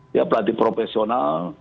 dia pelatih profesional